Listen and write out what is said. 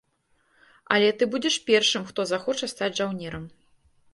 Але ты будзеш першым, хто захоча стаць жаўнерам.